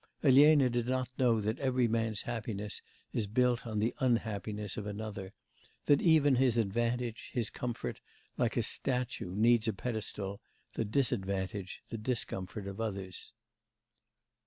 Elena did not know that every man's happiness is built on the unhappiness of another, that even his advantage, his comfort, like a statue needs a pedestal, the disadvantage, the discomfort of others.